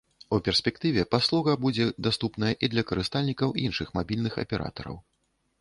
У перспектыве паслуга будзе даступная і для карыстальнікаў іншых мабільных аператараў.